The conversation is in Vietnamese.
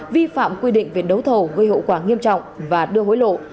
vi phạm quy định về đấu thầu gây hậu quả nghiêm trọng và đưa hối lộ